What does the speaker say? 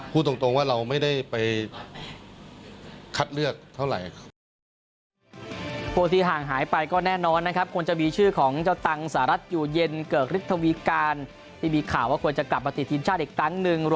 พูดตรงว่าเราไม่ได้ไปคัดเลือกเท่าไหร่ครับ